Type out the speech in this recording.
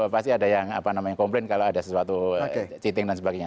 pasti ada yang komplain kalau ada sesuatu cheating dan sebagainya